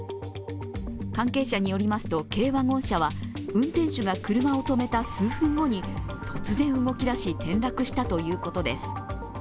関係者によりますと軽ワゴン車は運転手が車を止めた数分後に突然動き出し、転落したということです。